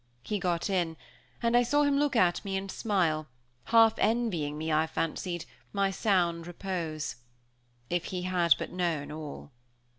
He got in, and I saw him look at me and smile, half envying me, I fancied, my sound repose. If he had but known all!